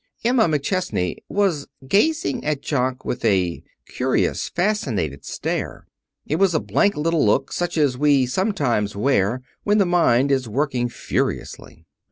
Emma McChesney was gazing at Jock with a curious, fascinated stare. It was a blank little look, such as we sometimes wear when the mind is working furiously.